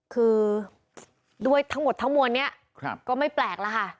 คือด้วยทั้งหมดทั้งมวลนี้ก็ไม่แปลกแล้วค่ะ